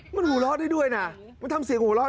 มันหูรอดได้ด้วยนะ